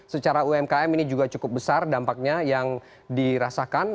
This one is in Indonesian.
secara umkm ini juga cukup besar dampaknya yang dirasakan